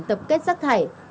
tập kết rác thải